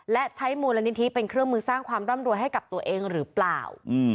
และใช้มูลนิธิเป็นเครื่องมือสร้างความร่ำรวยให้กับตัวเองหรือเปล่า